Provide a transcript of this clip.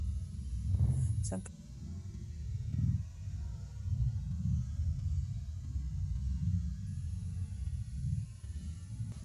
San Clemente quedó, durante toda la Guerra Civil Española en el Bando republicano.